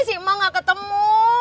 sih ibu gak ketemu